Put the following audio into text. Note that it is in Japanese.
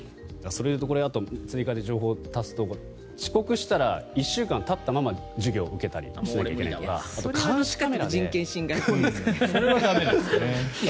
それでいうと追加で情報を足すと遅刻したら１週間、立ったまま授業を受けたりしなきゃいけないとか人権侵害ですよね。